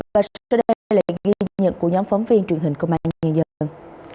và sau đây là ghi nhận của nhóm phóng viên truyền hình công an nhân dân